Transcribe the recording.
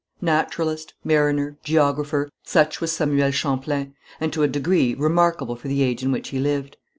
Naturalist, mariner, geographer, such was Samuel Champlain, and to a degree remarkable for the age in which he lived.